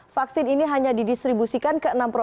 vaksin ini hanya didistribusikan oleh pemerintah atau tidak